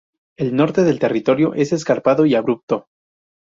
El norte del territorio es escarpado y abrupto.